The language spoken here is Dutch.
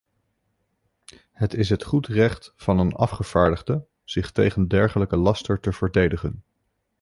Het is het goed recht van een afgevaardigde zich tegen dergelijke laster te verdedigen.